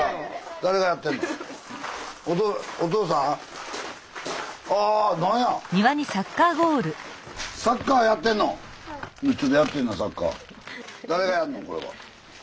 誰がやんのこれは。